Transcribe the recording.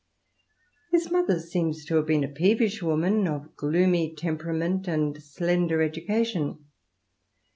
His mother seems to have been a peevish woman, of gloomy temperament and slender education.